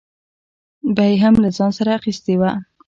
به یې هم له ځان سره اخیستې وه.